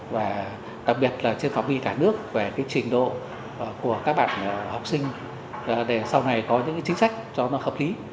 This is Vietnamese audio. và đặc biệt là trên phạm vi cả nước về cái trình độ của các bạn học sinh để sau này có những chính sách cho nó hợp lý